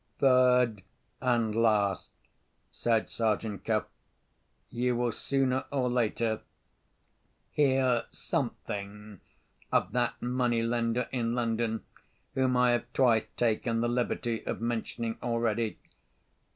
"Third, and last," said Sergeant Cuff, "you will, sooner or later, hear something of that money lender in London, whom I have twice taken the liberty of mentioning already.